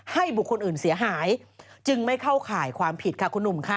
บุคคลอื่นเสียหายจึงไม่เข้าข่ายความผิดค่ะคุณหนุ่มค่ะ